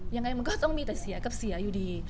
ยังไงมันก็ต้องมีแต่เสียกับเสียอยู่ดี